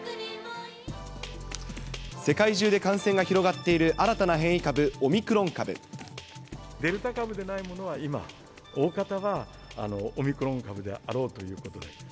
世界中で感染が広がっている、デルタ株でないものは今、大方はオミクロン株であろうということで。